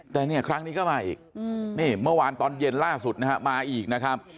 แต่เนี่ยครั้งนี้ก็มาอีกนี่เมื่อวานตอนเย็นล่าสุดนะฮะมาอีกนะครับ